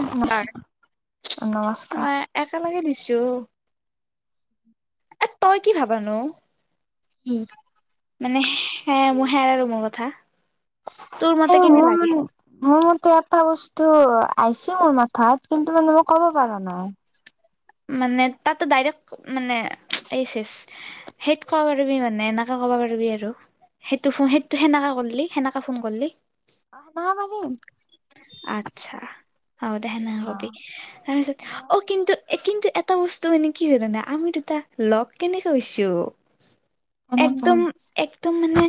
সোমবাৰ নমস্কাৰ অ', একেলগে দিছোঁ। চিঞৰ, এই তই কি ভাবানো। উম্, মানে হে মোৰ হে আৰু মোৰ কথা। তোৰ মতে এ কেনে মোৰ, লাগে মোৰ মতে এটা বস্তু- টো আহিছেও মোৰ মাথাত কিন্তু মানে মই ক'ব পাৰা নাই। মানে তাতো ডাইৰেক্ট মানে এই চেচ কব পাৰিবি মানে এনেকে কব পাৰিবি আৰু সেই সেই সেনেকে সেনেকে ফোন কৰলি। অ', কোবো পাৰিম। আচ্ছা। অহ দে, হেনেকা অ ক'বি অ', সেনেকে কিন্তু কিন্তু এটা বস্তু মানে কি হয় জানা আমি দুটা লগ কেনেকে হৈছোঁ? একদম-একদম মানে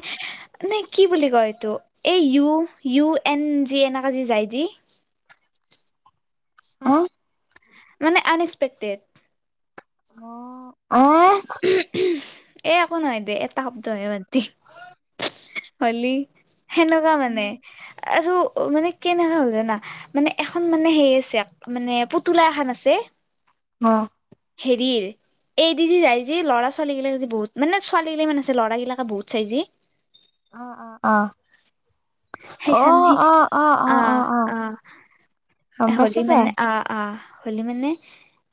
মানে কি বুলি কয় এইটো এই ইউ- ইউ এন জে এনে অ, আজি যায়দি। অ', মানে আন এক্সপেক্টেড। অ' অহ এ একো নহয় দে এত এটা শব্দহে বাদদি। হলি সেনেকুৱা মানে আৰু মানে কেনেকুৱা হ'ল জানা মানে এখন মানে হেৰি আছে মানে পুতলা এখন আছে। অ হেৰিৰ এইদি যি যাই যি ল'ৰা ছোৱালীগিলাক যদি বহুত মানে ছোৱালীগিলান আছে লঁৰাবিলাকে বহুত চাই যি। অ', অ', অ',। সেইখান সি অ' অ' গম পাইছো হলি দে মানে অ' অ'। হ'লে মানে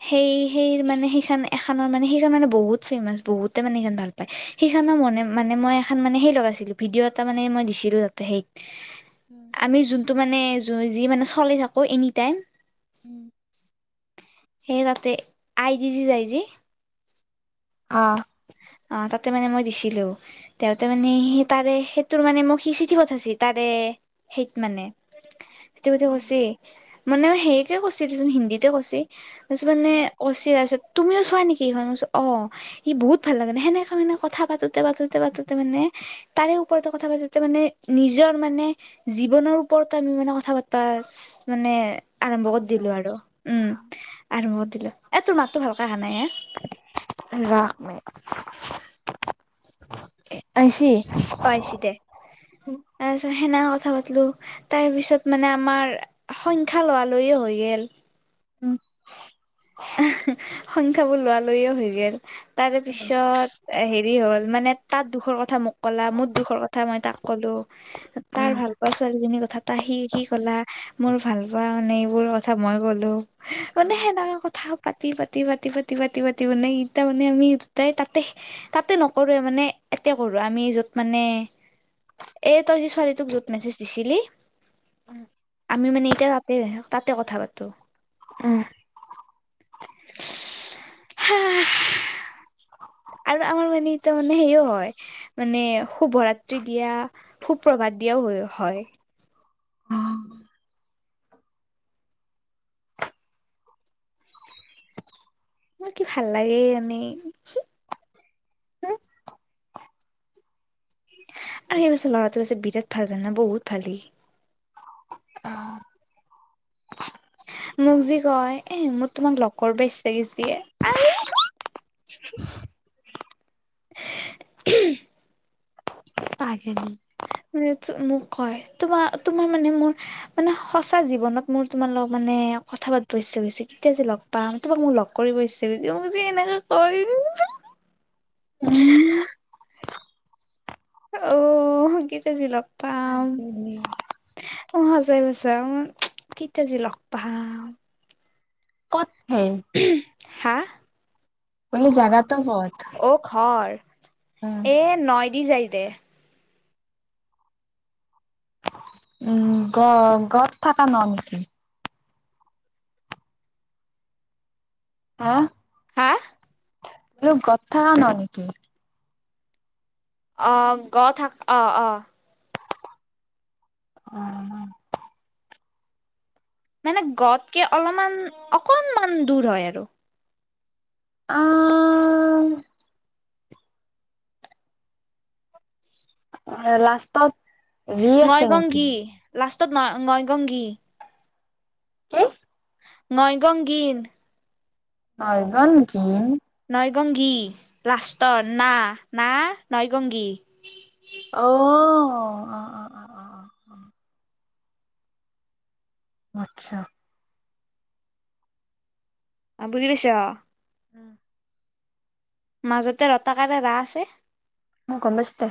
সেই সেই মানে সেইখান এখানৰ মানে সেইখান মানে বহুত ফেমাচ বহুতে মানে সিখান ভাল পায় সিখান মনে মানে মই এখান মানে সেই লগাইছিলো ভিডিঅ' এটা মানে মই দিছিলোঁ তাতে সেই আমি যোনটো মানে যি মানে চলি থাকবো এনি টাইম উম সেই তাতে আই দি যি যায় যি। আ। মা তাতে মানে মই দিছিলোঁ। দেওতে মানে সি তাৰে সি তোৰ মানে মোক সি চিঠি পঠাইছে তাৰে সেইত মানে [unintelligible] মানে হেৰিতে কৈছে দেছোঁন হিন্দীতে কৈছে। [unintelligible] মানে অচি [unintelligible] তুমিও চোৱা নেকি মই কৈছোঁ অ সি বহুত ভাল লাগে নে সেনে কাৰণে মানে কথা পাতোতে পাতোতে পাতোতে মানে তাৰে ওপৰতে কথা পাতোতে মানে নিজৰ মানে জীৱনৰ ওপৰতো আমি মানে কথা পাতবা মানে আৰম্ভ কৰি দিলো আৰু উম আৰম্ভ কৰি দিলো এতোমাক ত হালকা হাত [unintelligible] [unintelligible] ৰাস মে [unintelligible] আইছি? অ'আইছি দে। তাৰপিছত সেনা কথা পাতিলোঁ তাৰ পিছত মানে আমাৰ সংখ্যা লোৱা লৈয়ে হৈ গেল। উম [unintelligible] এহে সংখ্যাবোৰ লোৱা লৈয়ে হৈ গেল। তাৰ পিছত হেৰি হ'ল মানে তাত দুখৰ কথা মোক কলা মোৰ দুখৰ কথা মই তাক ক'লো উম তাৰ ভাল পোৱা ছোৱালীজনীৰ কথা তাই সি কি কলা মোৰ ভাল পোৱা মানে এইবোৰ কথা মই ক'লো। মানে সেনেকা কথা পাতি পাতি পাতি পাতি পাতি মানে ই মানে আমি দুটাই তাতে, তাতে নকৰোৱে মানে এতে কৰো আমি যত মানে এই তই যি ছোৱালীটোক য'ত মেছেজ দিছিলি উম আমি মানে এতিয়া তাতে, তাতে কথা পাতো। উম হ [inaudible] আৰু আমাৰ মানে তাৰ মানে সেও হয় মানে শুভৰাত্ৰি দিয়া সুপ্ৰভাত দিয়াও হও হয়। মোৰ কি ভাল লাগে এনেই হম আৰু সেই পাছে ল'ৰাটো আছে বিৰাট ভাল জানা বহুত ভাল সি আহ মোক যি কয়, এ মো তোমাক লগ কৰ্ব ইচ্ছা গেইছি এ [unintelligible] [unintelligible] মানে মোক কয় তোমাৰ তোমাৰ মানে মোৰ মানে সঁচা জীৱনত মোৰ তোমাৰ লগত মানে কথা পাতিব ইচ্ছা গৈছে কেতিয়া যে লগ পাম তোমাক মোক লগ কৰিব ইচ্ছা গৈছে মোক যে এনেকে কয় উম, [unintelligible] [unintelligible] [unintelligible] কেতিয়া‌ জি লগ পাম ক'ত হে [inaudible] হা বোলে জাগাটো ক'ত? [inaudible] অঁ ঘৰ উম, এ নয় দি যাই [inaudible] উম গ গত থকা ন নেকি? হা হা বোলো গত থা ন নেকি? অঁ গ থাক অ অ অহ মানে গতকে অলপমান অকনমান দূৰ হয় আৰু আহ লাষ্টত ৰি মই আছে নেকি? গংগি, লাষ্ট তত নয় গংগি কি নইগঙ্গী নয়গংগিন নইগঙ্গী লাষ্ট ত না নইগঙ্গী অও অ অ অ অ আচ্ছা অ বুজি পাইছঁ উম মাজতে ৰতাকাৰে ৰা আছে। অ গম পাইছোঁ দে।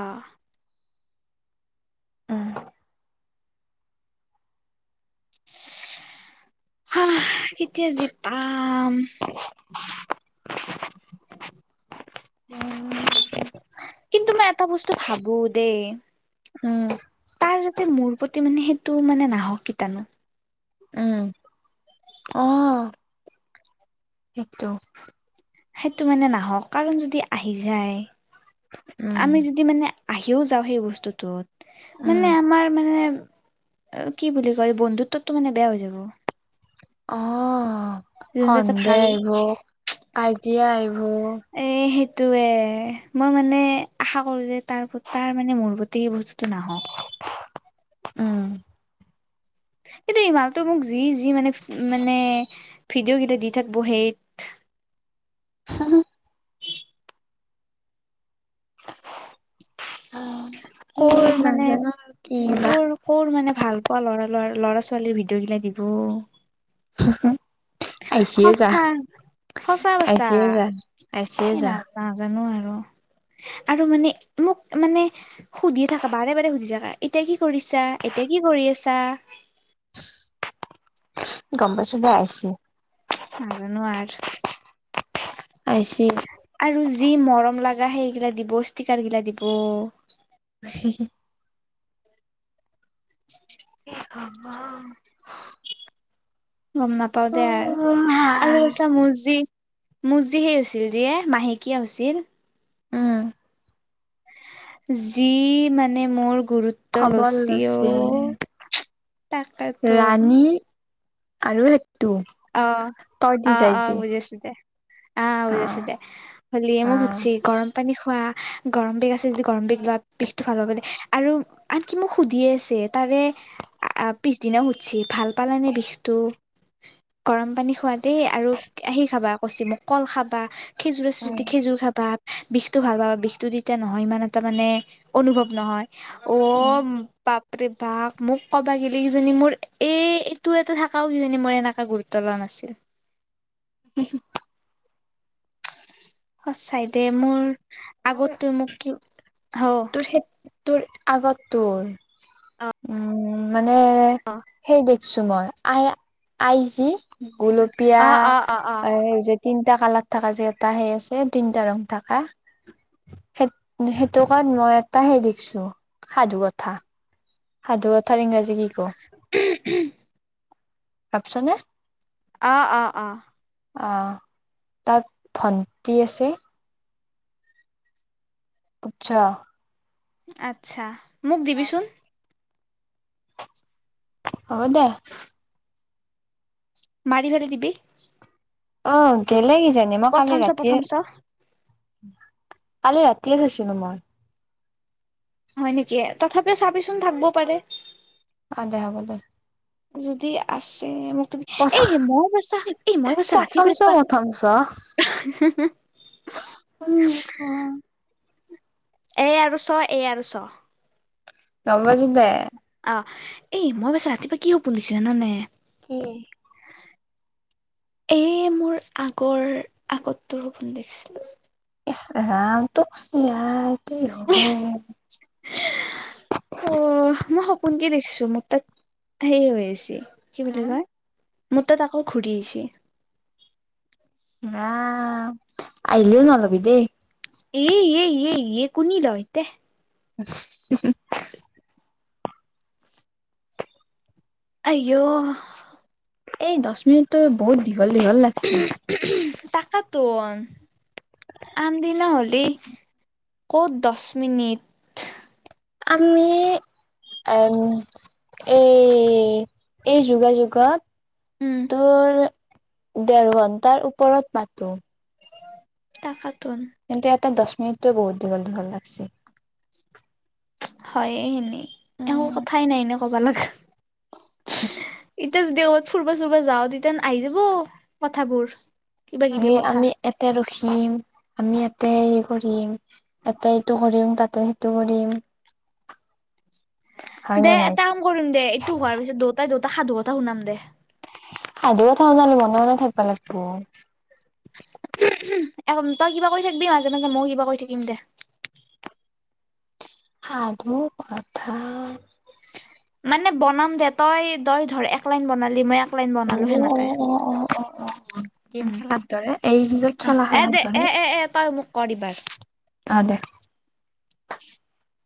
অ। উম, [unintelligible] অহ কেতিয়া যে পাম? উম কিন্তু মই এটা বস্তু ভাবো দেই। উম, তাৰ যাতে মোৰ প্ৰতি মানে সেইটো মানে নাহক কিতনো। উম অহ সিটো। সেইটো মানে নাহক কাৰণ যদি আহি যায়! উম, আমি যদি মানে আ আহিও যাওঁ সেই বস্তুটোত। উম, মানে আমাৰ মানে কি বুলি কয় বন্ধুত্ব টো মানে বেয়া হৈ যাব। অহ। যোনটো এটা সন্দে ভাল আহিব, কাই জিয়া আহিব। এ সেত সেটোৱে মই মানে আশা কৰো যে তাৰ তাৰ মানে মোৰ প্ৰতি সেই বস্তুটো নাহক। উম। সেইটো মানুহটোৱে মোক যি যি মানে মানে ভিডিঅ' কেইটা দি থাকিব সেইত। হমহো উ [unintelligible] কৰ মানে বা কৰ মানে ভাল পোৱাৰ ল'ৰা ছোৱালীৰ ভিডিঅ' গিলা দিব। [unintelligible] আহিছিয়ে যা সঁচা সঁচা কছা, আহিছিয়ে যা আহিছিয়ে এই যা। নাজানো আৰু আৰু মানে মোক মানে সুধিয়ে থাকা বাৰে বাৰে সুধি থাকে, এতিয়া কি কৰিছা, এতিয়া কি কৰি আছা? গম পাইছোঁ দে আহিছে। নাজানো আৰু। আহিছি। আৰু যি মৰম লাগে সেইগিলা দিব ষ্টিকাৰ গিলা দিব। হি হি হি। অ [unintelligible] [unintelligible] গম নাপাও দে আৰ আৰু আছা মজি মোৰ যে সেই হৈছিল যে মাহেকীয়া হৈছিল। যি মানে মোৰ গুৰুত্ব খবৰ লৈচি লৈছে অ, তাকেটোন। ৰাণী আৰু ল অ', অ', অ, যি ' বুজিছো দে অ', বুজাছো দে, হলি অ। মোক সুধছি [unintelligible] পানী খোৱা, গৰম বেগ আছে যদি গৰম বেগ লোৱা বিষতটো ভাল পাব আৰু আনকি মোক সুধিয়ে আছে তাৰে আ পিছদিনা সুধছি ভাল পালানে বিষটো? গৰম পানী খোৱা দেই আৰু আহি খাবা কছি মোক কল খাবা, খেজুৰ আছে উম যদি খেজুৰ খাবা বিষটো ভাল পাবা বিষটো তেতিয়া নহয় ইমান এটা মানে অনুভৱ নহয়। অ, উম। ' পা [unintelligible] মোক কবা গিলি সিজনী মোৰ এই এইটো এটা থাকও কিজানী মোৰ এনেকা গু উতলা নাছিল। [inaudible] সচাই দে মোৰ অ আগত তই মোক কি হৌ তোৰ সেই তোৰ আগত তোৰ, উম। মানে সেই দে [unintelligible] মই আই, আই যি গোলোপীয়া অ', হেৰি তিনটা কালাৰ থাকা যে এটা সেই আছে তিনটা ৰং থাকা। সেই-সেইটো কাৰণ মই এটা হে দেখিছো সাধু কথা। সাধু কথাৰ ইংৰাজী কি ক'। ভাবছানে? অ', অ', অ'। অ', তাত ভণ্টি আছে। আচ্ছা। আচ্ছা। মোক দিবিচোন। হয় দে। মাৰিলে দি দিবি। অ' গেলে যেনে মই প্ৰথম কালি চ ৰাতিয়ে প্ৰথম চ কালি ৰাতিয়ে চাইছিলো মই। হয় নেকি, তথাপিও চাবিচোন থাকবও পাৰে। অ', দে হ'ব দে। যদি আছে মোক প্ৰথম এই মই বছা, এই মই বছা প্ৰথম ৰাতিপুৱা চ ৰাতিপুৱা প্ৰথম চ উম অ এ আৰু চ, এ আৰু চ। গম পাইছো দেই। এ মই বছা ৰাতিপুৱা কি সপোন দেখিছো জানানে? কি? এ মোৰ আগৰ আগতোৰ সপোন দেখিছিলো। ইছ ৰাম তোৰ যি আৰু। কি হ'ব? শুন কি দেখিছো মোৰ তাত সেই হৈ আছে কি বুলি হা? কয় মোৰ তাত আকৌ ঘূৰি আহিছে। ইছ ৰাম আহিলেও নহলবি দেই। এ এ এ এ কোনি লয়? [inaudible] আয়ো এই দহ মিনিটটো বহুত দীঘল দীঘল লাগিছে তাকেই তো আনদিনা হ'লেই ক'ত দহ মিনিট আমি এ এই এই যোগাযোগত উম তোৰ দেৰ ঘন্টাৰ ওপৰত পাতো। [unintelligible] কিন্তু এটা দচ সেইটোয়ে বহুত দীঘল, দীঘল লাগিছে। হয় এ হেনেই একো কথাই নাই ন। ক'বা লাগা এতিয়া যদি কৰোবাত ফুৰিব চুৰিব যাও তেতিয়া আহি যাব কথাবোৰ। কিবা কিবি এ কথা আমি এতে ৰখিম আমি এ তাতেই কৰিম এটা এইটো কৰিম তাতে সেইটো কৰিম হয় দে নে নাই? এটা কাম কৰিম দে এইটো হোৱাৰ পিছত দুটাই দু এটা সাধুকথা শুনাম দে। সাধুকথা শুনালে মনে মনে থাকিব লাগিব। তই কিবা কই থাকিবি মাজে মাজে ময়ো কিবা কই থাকিম দে। সাধুকথা মানে বনাম দে তই তই ধৰ এক লাইন বনালি মই এ গেম উম খেলাৰ দৰে এই আহ খেলা এ দে খেলাৰ এ দৰে এ এ তই মোক কৰ এইবাৰ [unintelligible] অ' দে। [inaudible]